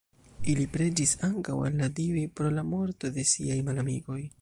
Ili preĝis ankaŭ al la dioj pro la morto de siaj malamikoj.